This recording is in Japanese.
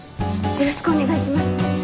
よろしくお願いします。